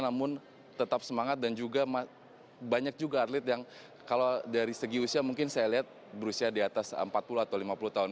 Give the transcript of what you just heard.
namun tetap semangat dan juga banyak juga atlet yang kalau dari segi usia mungkin saya lihat berusia di atas empat puluh atau lima puluh tahun